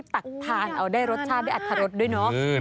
ตักทานเอาได้รสชาติได้อัตรรสด้วยเนาะ